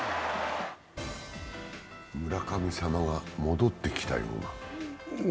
村神様が戻ってきたような。